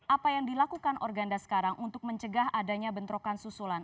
apa yang dilakukan organda sekarang untuk mencegah adanya bentrokan susulan